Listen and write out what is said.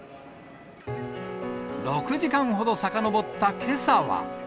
６時間ほどさかのぼったけさは。